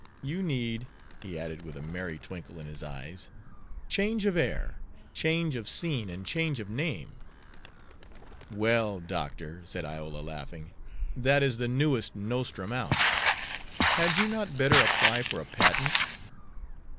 You need," he added, with a merry twinkle in his eyes, "change of air, change of scene, and change of name." "Well, Doctor," said Iola, laughing, "that is the newest nostrum out. Had you not better apply for a patent?"